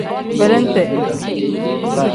Belente.